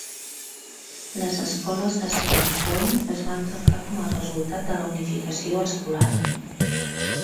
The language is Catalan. Les escoles de Cedar Point es van tancar com a resultat de la unificació escolar.